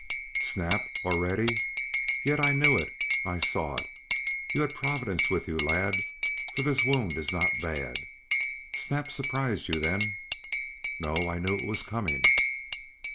"Snap! Already? Yet I knew it I saw it. You had Providence with you, lad, for this wound is not bad. Snap surprised you, then?" "No. I knew it was coming."